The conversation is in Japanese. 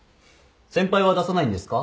先輩は出さないんですか？